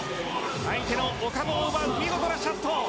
相手のお株を奪う見事なシャット。